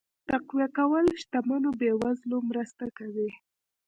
تقويه کول شتمنو بې وزلو مرسته کوي.